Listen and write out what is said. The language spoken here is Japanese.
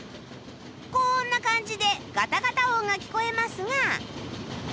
こんな感じでガタガタ音が聞こえますが